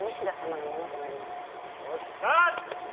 よっしゃー。